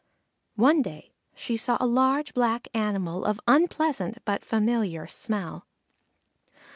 One day she saw a large black animal of unpleasant but familiar smell.